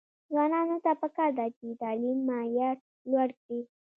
ځوانانو ته پکار ده چې، تعلیم معیار لوړ کړي.